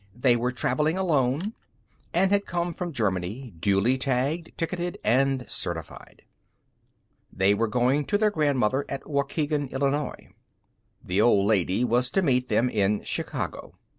They were traveling alone and had come from Germany, duly tagged, ticketed and certified. They were going to their Grandmother at Waukegan, Illinois. The old lady was to meet them in Chicago.